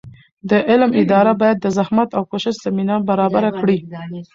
د علم اداره باید د زحمت او کوشش زمینه برابره کړي.